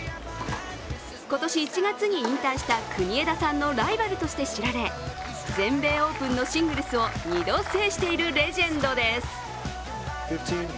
今年１月に引退した国枝さんのライバルとして知られ全米オープンのシングルスを２度制しているレジェンドです。